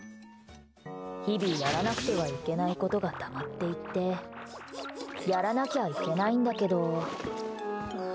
日々やらなくてはいけないことがたまっていってやらなきゃいけないんだけど。